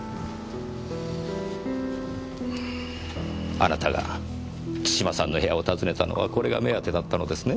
あなたが津島さんの部屋を訪ねたのはこれが目当てだったのですね？